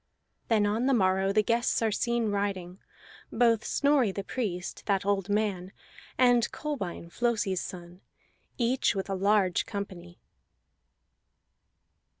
Then on the morrow the guests are seen riding, both Snorri the Priest, that old man, and Kolbein Flosi's son, each with a large company.